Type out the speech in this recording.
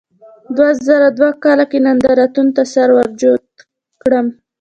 په دوه زره دوه کال کې نندارتون ته سر ورجوت کړم.